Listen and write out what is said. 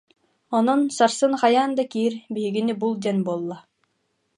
Онон сарсын хайаан да киир, биһигини бул диэн буолла